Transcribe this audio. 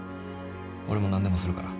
俺も何でもするから。